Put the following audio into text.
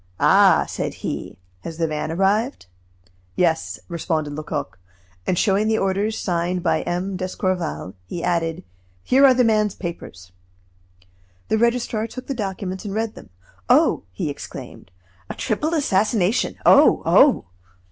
"Ah!" said he, "has the van arrived?" "Yes," responded Lecoq. And showing the orders signed by M. d'Escorval, he added: "Here are this man's papers." The registrar took the documents and read them. "Oh!" he exclaimed, "a triple assassination! Oh! oh!"